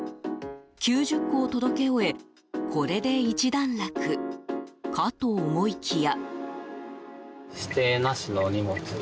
９０個を届け終えこれで一段落かと思いきや。